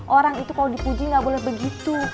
orang itu kalau dipuji nggak boleh begitu